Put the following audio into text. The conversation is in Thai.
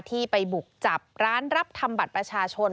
ที่ไปบุกจับร้านรับทำบัตรประชาชน